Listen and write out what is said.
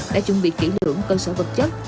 đã chuẩn bị kỹ lưỡng cơ sở vật chất